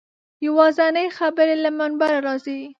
یوازینۍ خبرې له منبره راځي.